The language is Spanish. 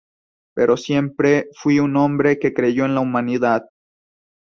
Pero siempre fui un hombre que creyó en la humanidad.